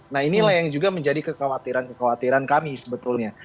nah inilah yang juga menjadi kekhawatiran kekhawatiran kami sebetulnya